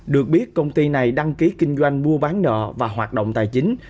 được biết công ty này đăng ký kinh doanh mua bán nợ và hoạt động tài chính